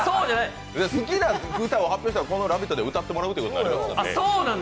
好きな歌を発表したら、この「ラヴィット！」で歌ってもらうことになりますから。